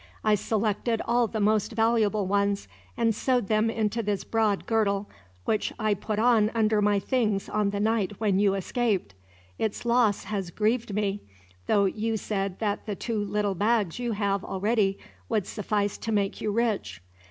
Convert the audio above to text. I selected all the most valuable ones, and sewed them into this broad girdle, which I put on under my things on the night when you escaped. Its loss has grieved me, though you have said that the two little bags you have, already, would suffice to make you rich.